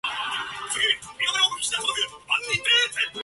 The harbour is home to the Hout Bay Yacht Club and several restaurants.